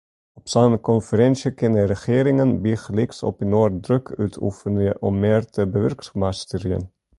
Op sa’n konferinsje kinne regearingen bygelyks opinoar druk útoefenje om mear te bewurkmasterjen.